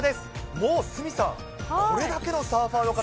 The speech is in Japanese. もう鷲見さん、これだけのサーファーの方。